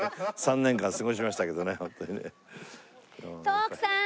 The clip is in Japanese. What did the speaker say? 徳さん！